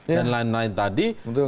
dan lain lain tadi